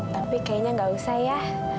tapi kayaknya nggak usah ya